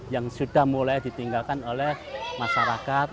yang sudah mulai ditinggalkan oleh masyarakat